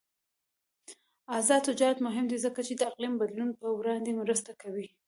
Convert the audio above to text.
آزاد تجارت مهم دی ځکه چې د اقلیم بدلون پر وړاندې مرسته کوي.